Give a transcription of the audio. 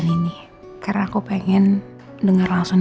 semoga democrat nyelamat dengan simba lohani